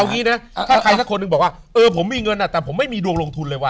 งี้นะถ้าใครสักคนหนึ่งบอกว่าเออผมมีเงินแต่ผมไม่มีดวงลงทุนเลยว่